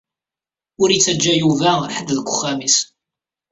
Ur ittaǧa Yuba ḥedd deg uxxam-is.